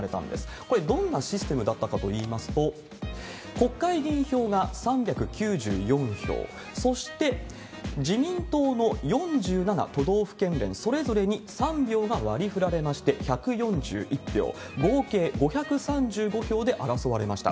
これ、どんなシステムだったかといいますと、国会議員票が３９４票、そして自民党の４７都道府県連それぞれに３票が割り振られまして、１４１票、合計５３５票で争われました。